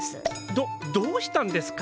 どどうしたんですか？